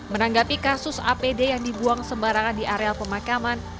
menanggapi kasus apd yang dibuang sembarangan di areal pemakaman